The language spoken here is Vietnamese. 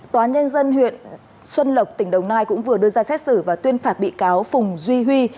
tòa nhân dân huyện xuân lộc tỉnh đồng nai cũng vừa đưa ra xét xử và tuyên phạt bị cáo phùng duy huy